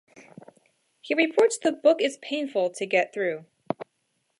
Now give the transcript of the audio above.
He reports the book is painful to get through.